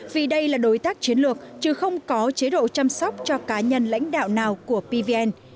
vì đây là đối tác chiến lược chứ không có chế độ chăm sóc cho cá nhân lãnh đạo nào của pvn